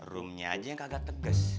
rumnya aja yang kagak tegas